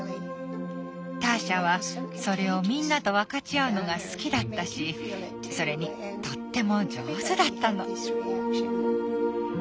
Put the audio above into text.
ターシャはそれをみんなと分かち合うのが好きだったしそれにとっても上手だったの。